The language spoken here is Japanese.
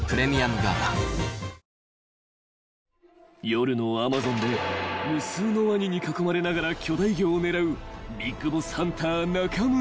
［夜のアマゾンで無数のワニに囲まれながら巨大魚を狙うビッグボスハンター中村］